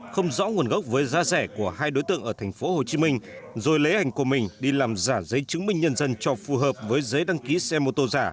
không rõ nguồn gốc với giá rẻ của hai đối tượng ở thành phố hồ chí minh rồi lấy ảnh của mình đi làm giả giấy chứng minh nhân dân cho phù hợp với giấy đăng ký xe mô tô giả